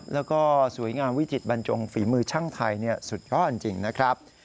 แล้วก็สวยงามวิจิตบรรจงฝีมือช่างไทยสุดยอดจริงนะครับ